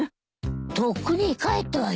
とっくに帰ったわよ。